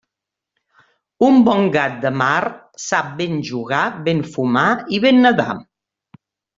El bon gat de mar sap ben jugar, ben fumar i ben nedar.